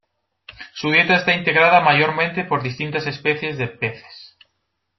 Su dieta está integrada mayormente por distintas especies de peces.